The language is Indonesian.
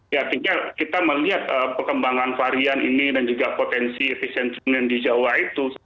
ya artinya kita melihat perkembangan varian ini dan juga potensi efisiensi di jawa itu